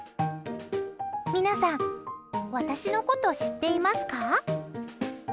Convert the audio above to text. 皆さん私のこと知っていますか？